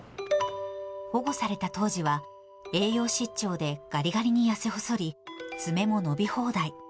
保護された当時は、栄養失調でがりがりに痩せ細り、爪も伸び放題。